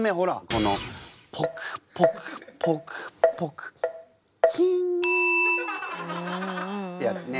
この「ぽくぽくぽくぽくチン」。ってやつね。